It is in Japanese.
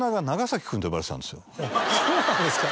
そうなんですか？